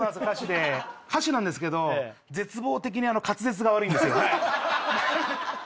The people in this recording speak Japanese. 歌手で歌手なんですけど絶望的に滑舌が悪いんですよ